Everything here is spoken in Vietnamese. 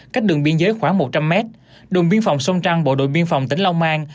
cách đường biên giới khoảng một trăm linh mét đồn biên phòng sông trăng bộ đội biên phòng tỉnh long an